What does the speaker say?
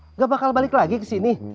nggak bakal balik lagi ke sini